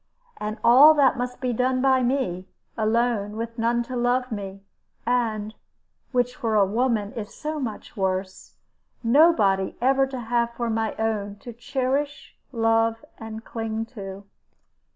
And all that must be done by me, alone, with none to love me, and (which for a woman is so much worse) nobody ever to have for my own, to cherish, love, and cling to.